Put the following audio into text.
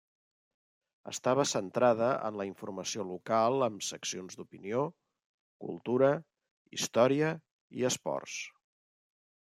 Estava centrada en la informació local amb seccions d'opinió, cultura, història i esports.